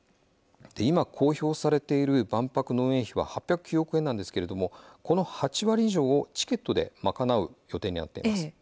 今公表されている万博の運営費は８０９億円なんですけれどもこの８割以上をチケットで賄う予定になっています。